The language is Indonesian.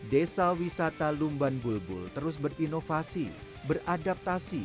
desa wisata lumban bulbul terus berinovasi beradaptasi